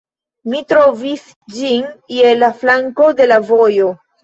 Mi trovis ĝin je la flanko de la vojo